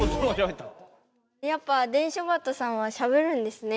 やっぱ電書バトさんはしゃべるんですね。